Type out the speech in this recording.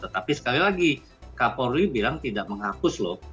tetapi sekali lagi kapolri bilang tidak menghapus loh